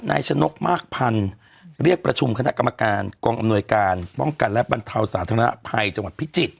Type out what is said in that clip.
ชนกมากพันธุ์เรียกประชุมคณะกรรมการกองอำนวยการป้องกันและบรรเทาสาธารณภัยจังหวัดพิจิตร